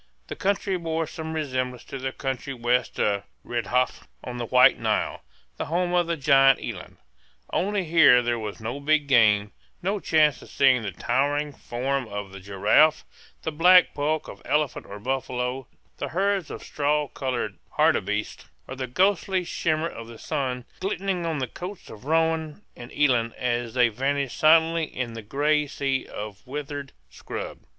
The country bore some resemblance to the country west of Redjaf on the White Nile, the home of the giant eland; only here there was no big game, no chance of seeing the towering form of the giraffe, the black bulk of elephant or buffalo, the herds of straw colored hartebeests, or the ghostly shimmer of the sun glinting on the coats of roan and eland as they vanished silently in the gray sea of withered scrub.